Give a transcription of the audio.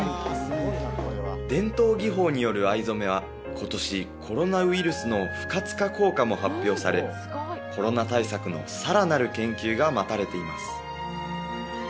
伝統技法による藍染めは今年コロナウイルスの不活化効果も発表されコロナ対策のさらなる研究が待たれています